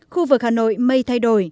khu vực hà nội mây thay đổi